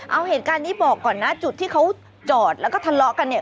เอาเหตุการณ์นี้บอกก่อนนะจุดที่เขาจอดแล้วก็ทะเลาะกันเนี่ย